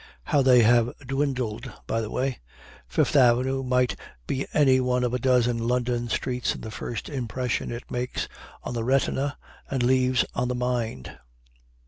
How they have dwindled, by the way. Fifth Avenue might be any one of a dozen London streets in the first impression it makes on the retina and leaves on the mind.